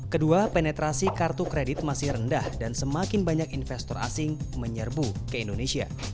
kedua penetrasi kartu kredit masih rendah dan semakin banyak investor asing menyerbu ke indonesia